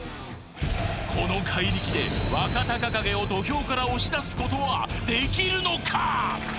この怪力で若隆景を土俵から押し出すことはできるのか！？